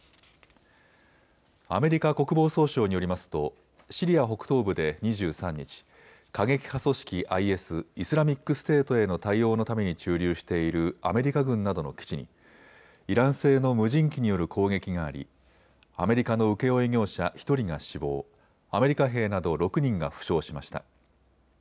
アメリカ国防総省によりますとシリア北東部で２３日、過激派組織ＩＳ・イスラミックステートへの対応のために駐留しているアメリカ軍などの基地にイラン製の無人機による攻撃がありアメリカの請負業者１人が死亡、アメリカ兵など６人が負傷しました。